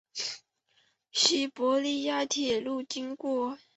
西伯利亚铁路经过。